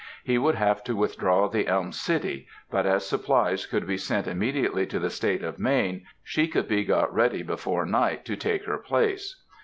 He would have to withdraw the Elm City, but as supplies could be sent immediately to the State of Maine, she could be got ready before night to take her place.